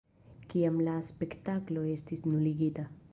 Kiam la spektaklo estis nuligita.